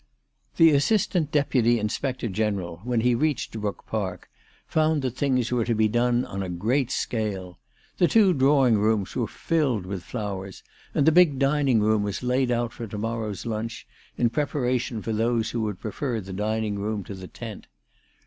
THE Assistant Deputy Inspector General, when he reached Brook Park, found that things were to be done on a great scale. The two drawing rooms were filled with flowers, and the big dining room was laid out for to morrow's lunch, in preparation for those who would prefer the dining room to the tent.